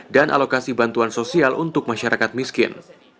dan alokasi bantuan sosial untuk masyarakat miskin